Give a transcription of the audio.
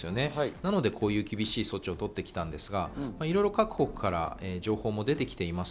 なのでこういう厳しい措置を取ってきたんですが、いろいろ各国から情報も出てきています。